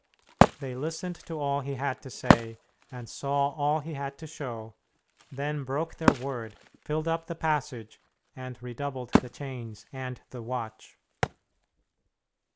They listened to all he had to say, and saw all he had to show, then broke their word, filled up the passage, and redoubled the chains and the watch.